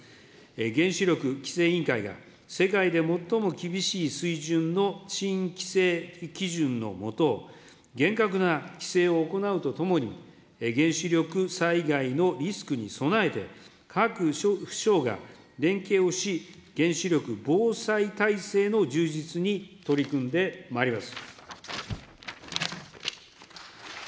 原子力規制委員会が、世界で最も厳しい水準の新規制基準の下、厳格な規制を行うとともに、原子力災害のリスクに備えて、各府省が連携をし、原子力防災体制の充実に取り組んでまいります。